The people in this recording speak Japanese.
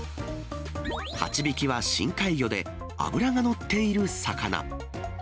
ハチビキは深海魚で、脂が乗っている魚。